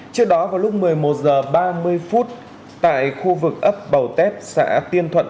trước đó vào lúc một mươi một h ba mươi phút tại khu vực ấp bầu tét xã tiên thuận